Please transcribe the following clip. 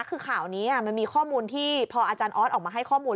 คือข่าวนี้มันมีข้อมูลที่พออาจารย์ออสออกมาให้ข้อมูล